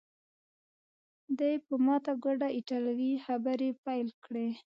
دی په ماته ګوډه ایټالوي خبرې پیل کړې.